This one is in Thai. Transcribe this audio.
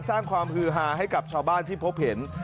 สร้างความฮือฮาให้กับชาวบ้านที่พบเห็น